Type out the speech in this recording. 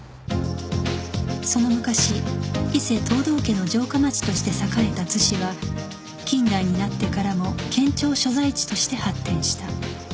その昔伊勢藤堂家の城下町として栄えた津市は近代になってからも県庁所在地として発展した